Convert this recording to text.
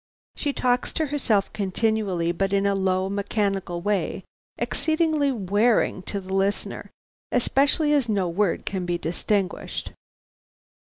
She talks to herself continually, but in a low mechanical way exceedingly wearing to the listener, especially as no word can be distinguished.